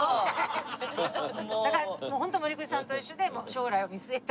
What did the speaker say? だからもうホント森口さんと一緒で将来を見据えた。